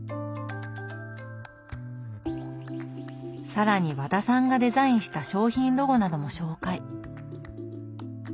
更に和田さんがデザインした商品ロゴなども紹介。